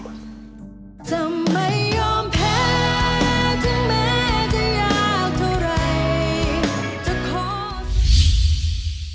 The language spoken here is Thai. โปรดติดตามตอนต่อไป